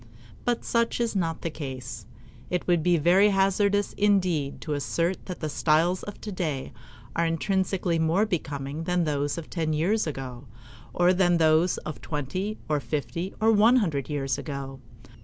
But such is not the case. It would be very hazardous indeed to assert that the styles of today are intrinsically more becoming than those of ten years ago, or than those of twenty, or fifty, or one hundred years ago.